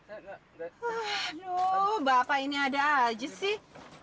aduh bapak ini ada aja sih